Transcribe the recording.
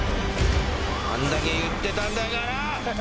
あんだけ言ってたんだから。